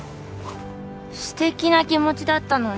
素敵な気持ちだったのに。